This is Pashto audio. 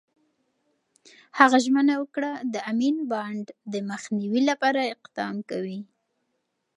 هغه ژمنه وکړه، د امین بانډ د مخنیوي لپاره اقدام کوي.